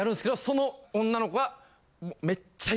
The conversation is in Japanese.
その女の子は。